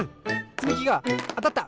つみきがあたった！